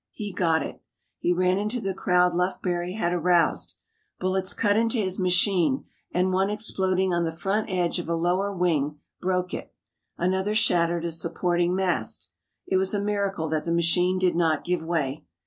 He got it. He ran into the crowd Lufbery had aroused. Bullets cut into his machine and one exploding on the front edge of a lower wing broke it. Another shattered a supporting mast. It was a miracle that the machine did not give way.